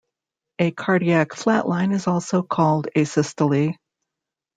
A cardiac flatline is also called asystole.